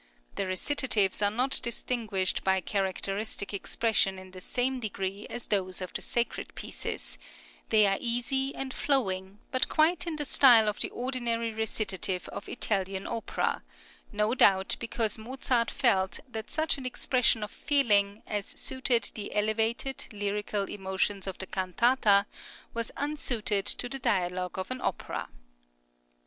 The recitatives are not distinguished by characteristic expression in the same degree as those of the sacred pieces; they are easy and flowing, but quite in the style of the ordinary recitative of Italian opera; no doubt because Mozart felt that such an expression of feeling as suited the elevated, lyrical emotions of the cantata was unsuited to the dialogue of an opera.